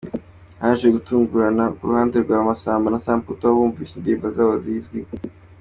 Haje gutungurana k’uruhande rwa Massamba na Samputu aho bumvishe indirimbo zabo zizwi.